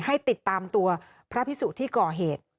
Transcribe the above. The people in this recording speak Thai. ให้ติดตามตัวพระพิสุที่ก่อเหตุ